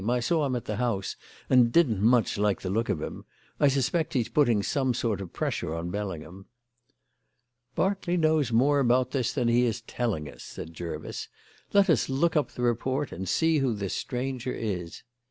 I saw him at the house and didn't much like the look of him. I suspect he's putting some sort of pressure on Bellingham." "Berkeley knows more about this than he is telling us," said Jervis. "Let us look up the report and see who this stranger is."